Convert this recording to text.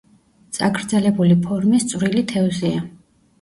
წაგრძელებული ფორმის წვრილი თევზია.